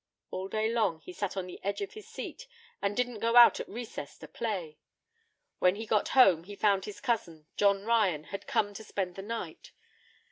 All day long he sat on the edge of his seat, and didn't go out at recess to play. When he got home, he found his cousin John Ryan had come to spend the night.